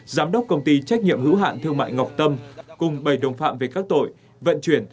giám đốc công ty trách nhiệm hữu hạn thương mại ngọc tâm cùng bảy đồng phạm về các tội vận chuyển